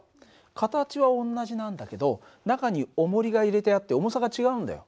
形は同じなんだけど中におもりが入れてあって重さが違うんだよ。